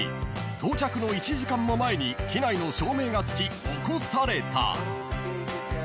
［到着の１時間も前に機内の照明がつき起こされた］